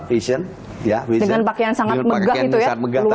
dengan pakaian sangat megah itu ya